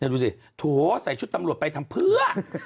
ดูสิโถใส่ชุดตำรวจไปทำเพื่อ